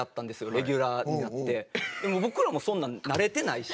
でも僕らもそんなん慣れてないし。